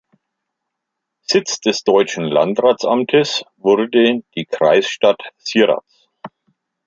Sitz des deutschen Landratsamtes wurde die Kreisstadt Sieradz.